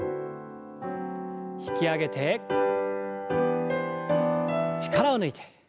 引き上げて力を抜いて。